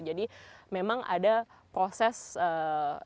jadi memang ada proses kepentingan